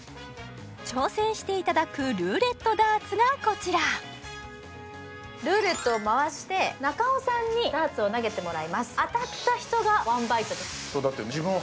挑戦していただくルーレットダーツがこちらルーレットを回して中尾さんにダーツを投げてもらいます当たった人がワンバイトです